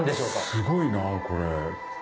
すごいなこれ。